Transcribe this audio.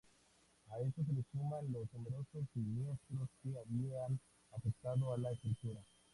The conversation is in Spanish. A esto se le sumaba los numerosos siniestros que habían afectado a la estructura.